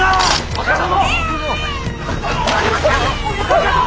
若殿！